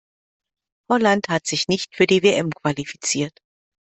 Holland hat sich nicht für die WM qualifiziert.